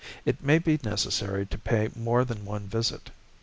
It may be necessary to pay more than one visit.